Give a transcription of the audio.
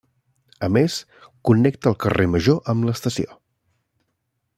A més, connecta el carrer Major amb l'estació.